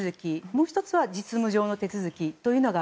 もう１つは実務上の手続き。